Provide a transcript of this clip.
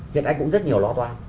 hiện nay cũng rất nhiều lo toan